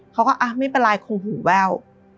เขาก็ไม่เป็นไรคงหูแว่ว